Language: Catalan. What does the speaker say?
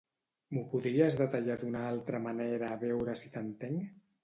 M'ho podries detallar d'una altra manera a veure si t'entenc?